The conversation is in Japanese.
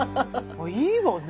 あいいわね。